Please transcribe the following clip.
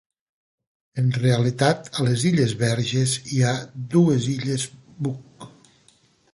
En realitat, a les illes Verges hi ha dues illes Buck.